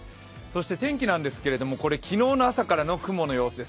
天気なんですけれども、これは昨日の朝からの雲の様子です。